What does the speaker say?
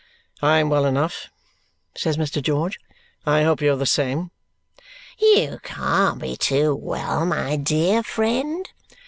"I am well enough," says Mr. George. "I hope you are the same." "You can't be too well, my dear friend."